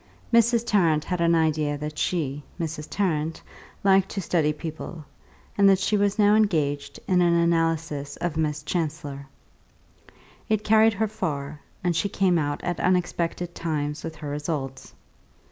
Mrs. Tarrant had an idea that she (Mrs. Tarrant) liked to study people, and that she was now engaged in an analysis of Miss Chancellor. It carried her far, and she came out at unexpected times with her results.